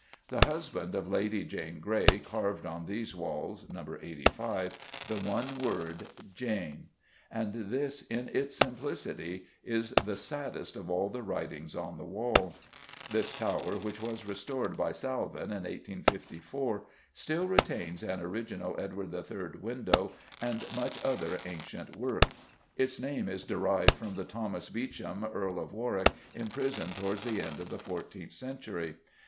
The husband of Lady Jane Grey carved on these walls (No. 85) the one word "Jane," and this in its simplicity is the saddest of all the writings on the wall. This tower, which was restored by Salvin in 1854, still retains an original Edward III. window and much other ancient work; its name is derived from the Thomas Beauchamp, Earl of Warwick, imprisoned towards the end of the fourteenth century.